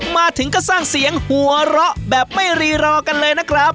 มาถึงก็สร้างเสียงหัวเราะแบบไม่รีรอกันเลยนะครับ